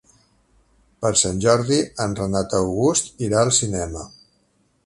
Per Sant Jordi en Renat August irà al cinema.